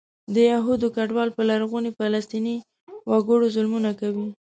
دا یهودي کډوال په لرغوني فلسطیني وګړو ظلمونه کوي.